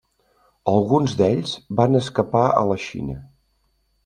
Alguns d'ells van escapar a la Xina.